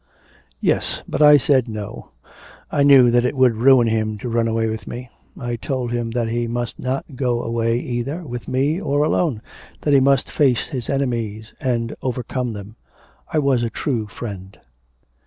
'Yes; but I said no. I knew that it would ruin him to run away with me. I told him that he must not go away either with me or alone, that he must face his enemies and overcome them. I was a true friend.'